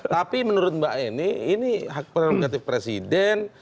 tapi menurut mbak eni ini hak prerogatif presiden